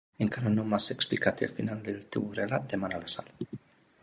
Encara no m'has explicat el final del teu relat, demana la Sal.